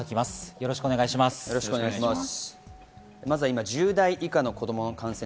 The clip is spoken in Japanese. よろしくお願いします。